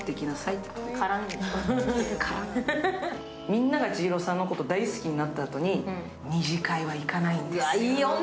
みんながちひろさんを好きになったあと、二次会には行かないんです。